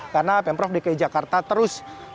karena pemprov dki jakarta terus mencari sampah untuk kumpulan